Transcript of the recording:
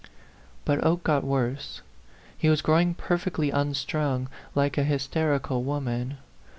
109 But Oke got worse. He was growing per fectly unstrung, like a hysterical woman.